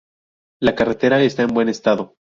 La carretera está en buen estado.